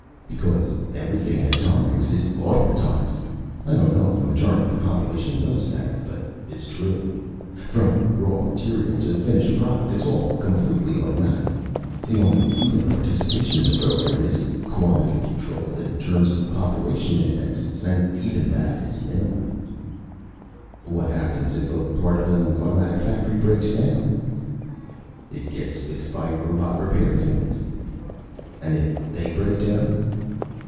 "Because everything in atomics is automatized. I don't know if the majority of the population knows that, but it's true. From raw material to finished product, it's all completely automatic. The only human participation in the program is quantity control in terms of population indexes. And even that is minimal." "What happens if a part of an automatic factory breaks down?" "It gets fixed by robot repair units." "And if they break down?"